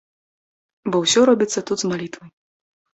Бо ўсё робіцца тут з малітвай.